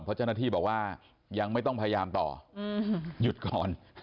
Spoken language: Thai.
เพราะเจ้าหน้าที่บอกว่ายังไม่ต้องพยายามต่อหยุดก่อน